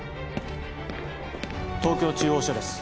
東京中央署です